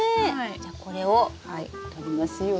じゃこれをとりますよ。